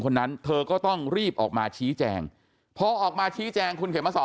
คนนั้นเธอก็ต้องรีบออกมาชี้แจงพอออกมาชี้แจงคุณเข็มมาสอน